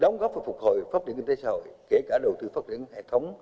trong đó có các thành phần kinh tế xã hội kể cả đầu tư phát triển hệ thống